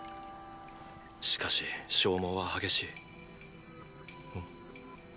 しかし消耗は激しいん？